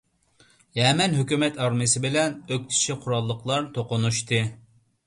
يەمەن ھۆكۈمەت ئارمىيەسى بىلەن ئۆكتىچى قوراللىقلار توقۇنۇشتى.